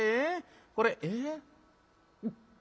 これええ？」。